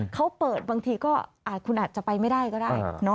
เขาเปิดบางทีก็คุณอาจจะไปไม่ได้ก็ได้